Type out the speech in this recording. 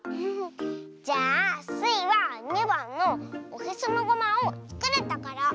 じゃあスイは２ばんの「おへそのごまをつくるところ」。